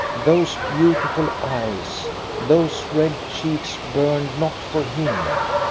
Those beautiful eyes, those red cheeks burned not for him.